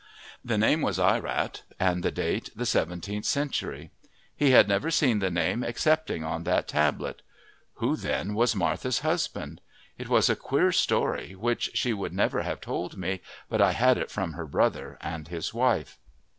The name was Ierat and the date the seventeenth century. He had never seen the name excepting on that tablet. Who, then, was Martha's husband? It was a queer story which she would never have told me, but I had it from her brother and his wife.